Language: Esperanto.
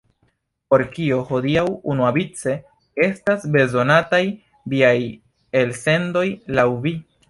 Por kio hodiaŭ unuavice estas bezonataj viaj elsendoj, laŭ vi?